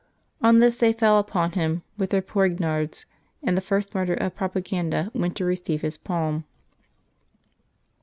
On this they fell upon him with their poignards, and the first martyr of Propaganda went to receive his palm.